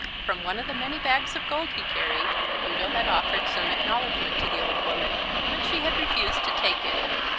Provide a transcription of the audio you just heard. From one of the many bags of gold he carried, Udo had offered some acknowledgment to the old woman, but she had refused to take it.